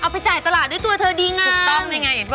เอาไปจ่ายตลาดด้วยตัวเธอดีกว่า